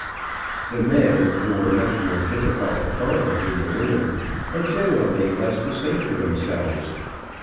] The men, who were much more difficult to find than the women, had generally less to say for themselves.